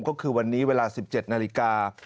ก็คือวันนี้เวลา๑๗นาฬิกา